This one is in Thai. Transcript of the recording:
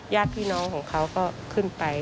ญาติพี่น้องของเขาก็ขึ้นไป